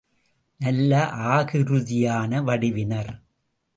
நல்ல ஆகிருதியான வடிவினர்.